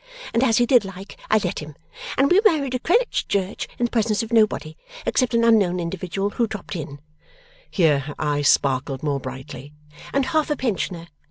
And as he did like, I let him. And we were married at Greenwich church in the presence of nobody except an unknown individual who dropped in,' here her eyes sparkled more brightly, 'and half a pensioner.